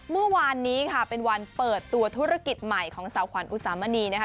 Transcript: เมื่อวานนี้ค่ะเป็นวันเปิดตัวธุรกิจใหม่ของสาวขวัญอุสามณีนะคะ